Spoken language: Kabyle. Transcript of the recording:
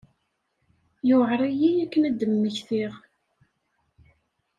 Yuɛer-iyi akken ad d-mmektiɣ.